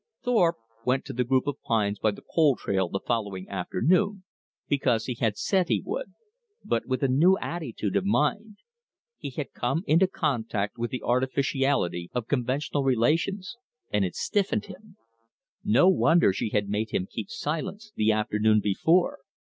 Thorpe went to the group of pines by the pole trail the following afternoon because he had said he would, but with a new attitude of mind. He had come into contact with the artificiality of conventional relations, and it stiffened him. No wonder she had made him keep silence the afternoon before!